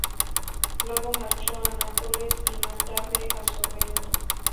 Luego marchó a Nápoles y más tarde, a Sorrento.